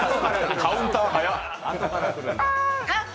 カウンター、早っ！